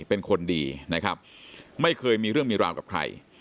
เป็นคนดีนะครับไม่เคยมีเรื่องมีราวกับใคร